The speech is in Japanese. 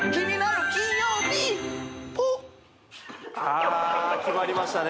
ポッあ決まりましたね